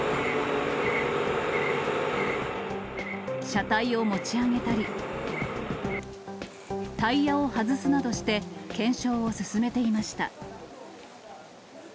車体を持ち上げたり、タイヤを外すなどして、検証を進めていました。